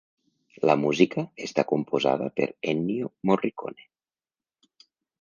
La música està composada per Ennio Morricone.